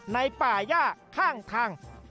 ในป่าย่าข้างทาง